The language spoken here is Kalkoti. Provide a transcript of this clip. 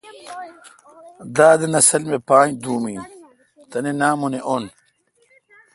داد نسل می پانج دُوم این۔ تنے نامونے اُن۔